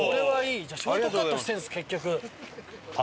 ショートカットしてるんです結局。